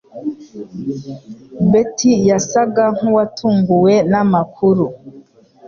Betty yasaga nkuwatunguwe namakuru.